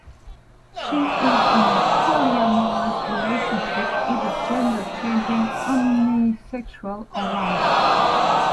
She is in a polyamorous relationship with the gender-changing omnisexual Orlando.